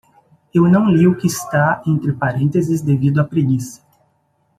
Eu não li o que está entre parênteses devido à preguiça.